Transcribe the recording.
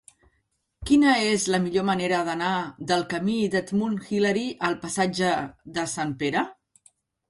Quina és la millor manera d'anar del camí d'Edmund Hillary al passatge de Sant Pere?